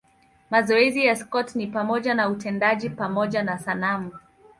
Mazoezi ya Scott ni pamoja na utendaji pamoja na sanamu.